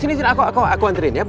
sini sini aku anterin ya